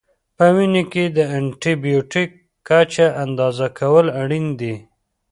په وینه کې د انټي بیوټیک کچه اندازه کول اړین دي.